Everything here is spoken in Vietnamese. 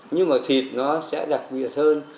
nhưng mà thịt nó sẽ đặc biệt hơn